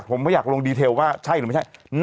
ผมไม่อยากลงดีเทลว่าใช่หรือไม่ใช่